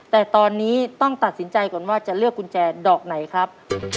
แต่ตอนนี้ต้องตัดสินใจก่อนว่าจะเลือกกุญแจดอกไหนครับ